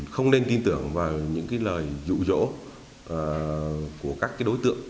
không nên tin tưởng vào những cái lời dụ dỗ của các cái đối tượng